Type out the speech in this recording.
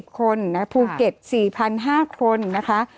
๙๒๑๐คนนะภูเก็ต๔๕๐๐คนนะคะ